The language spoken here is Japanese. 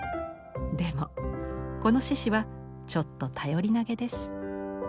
でもこの獅子はちょっと頼りなげです。